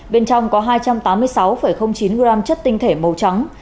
bên trong có hai trăm tám mươi sáu chín g chất tinh thể màu trắng